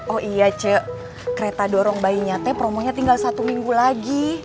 oh iya cek kereta dorong bayinya teh promonya tinggal satu minggu lagi